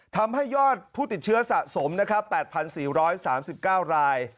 ทำให้ยอดผู้ติดเชื้อสะสมนะครับ๘๔๓๙ราย